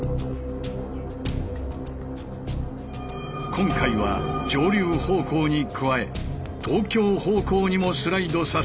今回は上流方向に加え東京方向にもスライドさせる複雑な動き。